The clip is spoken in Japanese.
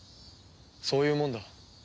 そういうもんだ。